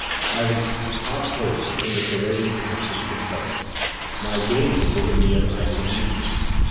I was heart whole from the corroding passion for play. My gaming was a mere idle amusement.